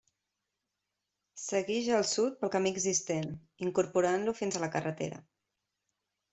Seguix al sud pel camí existent, incorporant-lo fins a la carretera.